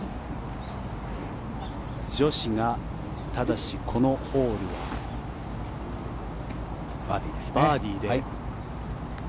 女子がただしこのホールはバーディーですね。